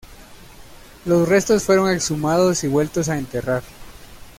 Los restos fueron exhumados y vueltos a enterrar.